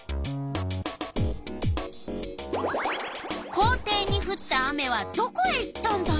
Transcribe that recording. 校庭にふった雨はどこへ行ったんだろう？